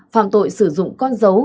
phạm tội sử dụng con dấu